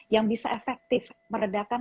yang bisa efektif meredakan